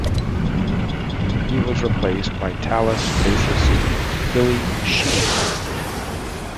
He was replaced by Talas bassist, Billy Sheehan.